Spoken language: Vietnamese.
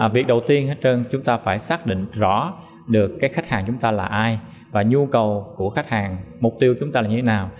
việc đầu tiên hết trơn chúng ta phải xác định rõ được cái khách hàng chúng ta là ai và nhu cầu của khách hàng mục tiêu chúng ta là như thế nào